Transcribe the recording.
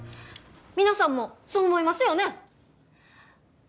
皆さんもそう思いますよね？